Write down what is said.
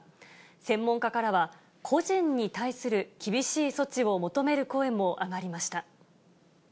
専門家からは個人に対する厳しい措置を求める声も上がりました。